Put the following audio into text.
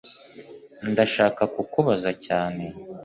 ndashaka kukubaza cyane